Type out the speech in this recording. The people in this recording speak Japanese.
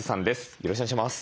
よろしくお願いします。